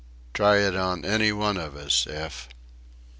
Try it on any one of us if